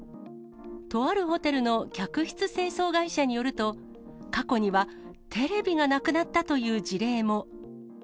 とあるホテルの客室清掃会社によると、過去にはテレビがなくなったという事例も。